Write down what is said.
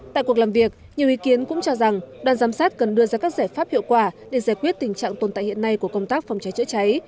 tại cuộc làm việc nhiều ý kiến cũng cho rằng đoàn giám sát cần đưa ra các giải pháp hiệu quả để giải quyết tình trạng tồn tại hiện nay của công tác phòng cháy chữa cháy